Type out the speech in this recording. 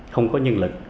không có nhân lực